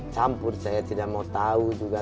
campur saya tidak mau tahu juga